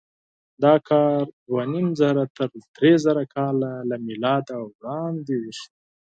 دا کار دوهنیمزره تر درېزره کاله له مېلاده وړاندې وشو.